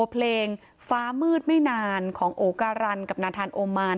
เพลงฟ้ามืดไม่นานของตัวโกรันและนานทานโอมท์มาร